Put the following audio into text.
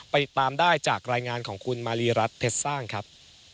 ไปตามได้จากรายงานของคุณมารีรัฐเพชรสร้างครับ